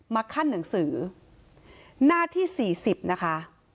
ขั้นหนังสือหน้าที่๔๐นะคะ